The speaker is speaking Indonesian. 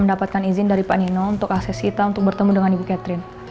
mendapatkan izin dari pak nino untuk akses kita untuk bertemu dengan ibu catherine